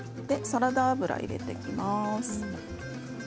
サラダ油を入れていきます。